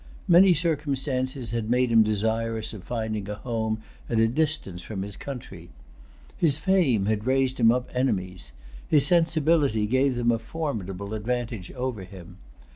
Many circumstances had made him desirous of finding a home at a distance from his country. His fame had raised him up enemies. His sensibility gave them a formidable advantage over him.